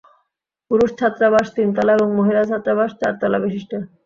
পুরুষ ছাত্রাবাস তিনতলা এবং মহিলা ছাত্রাবাস চারতলা বিশিষ্ট।